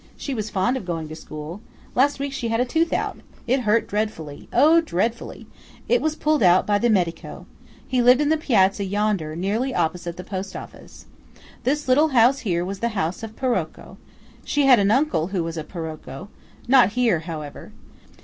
She was fond of going to school. Last week she had a tooth out. It hurt dreadfully–oh! dreadfully. It was pulled out by the medico. He lived in the piazza yonder, nearly opposite the post office. This little house here was the house of the Paroco. She had an uncle who was a Paroco;–not here, however.